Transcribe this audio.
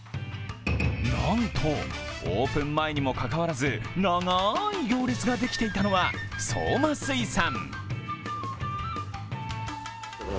なんと、オープン前にもかかわらず長い行列ができていたのはそうま水産。